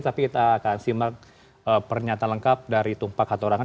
tapi kita akan simak pernyataan lengkap dari tumpak hatorangan